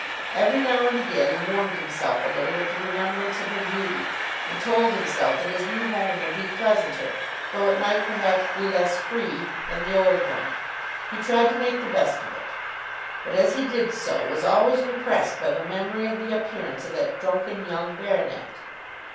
Every now and again he warmed himself a little with the remembrance of her beauty, and told himself that his new home would be pleasanter, though it might perhaps be less free, than the old one. He tried to make the best of it; but as he did so was always repressed by the memory of the appearance of that drunken young baronet.